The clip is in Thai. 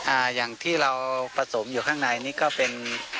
อ่าอย่างที่เราผสมอยู่ข้างในนี่ก็เป็น